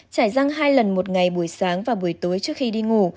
trải răng hai lần một ngày buổi sáng và buổi tối trước khi đi ngủ